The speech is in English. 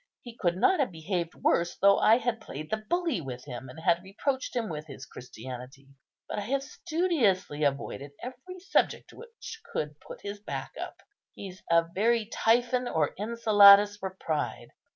He could not have behaved worse though I had played the bully with him, and had reproached him with his Christianity. But I have studiously avoided every subject which could put his back up. He's a very Typhon or Enceladus for pride.